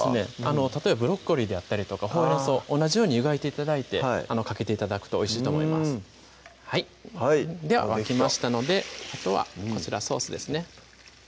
例えばブロッコリーであったりとかほうれんそう同じように湯がいて頂いてかけて頂くとおいしいと思いますでは沸きましたのであとはこちらソースですね